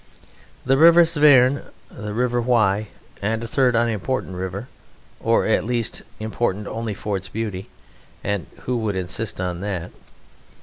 The River Severn, the River Wye, and a third unimportant river, or at least important only for its beauty (and who would insist on that?)